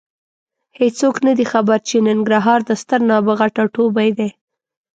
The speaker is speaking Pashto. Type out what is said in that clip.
هېڅوک نه دي خبر چې ننګرهار د ستر نابغه ټاټوبی دی.